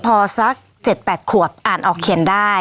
พอสัก๗๘ขวบอ่านออกเขียนได้